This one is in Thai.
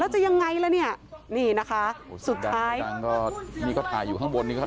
แล้วจะยังไงแล้วเนี้ยนี่นะคะสุดท้ายนี่ก็ถ่ายอยู่ข้างบนนี่ก็